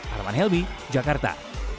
harman helmy jakarta